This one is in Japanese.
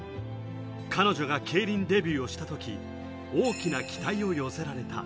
彼女が競輪デビューをした時、大きな期待を寄せられた。